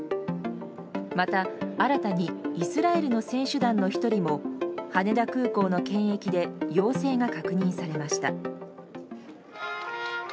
また、新たにイスラエルの選手団の１人も羽田空港の検疫で陽性が確認されました。